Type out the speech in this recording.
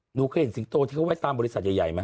หนูเคยเห็นสิงโตที่เขาไว้ตามบริษัทใหญ่ไหม